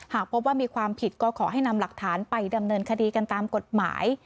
หากพบว่ามีความผิดก็ขอให้นำหลักฐานไปดำเนินคดีกันตามกฎหมาย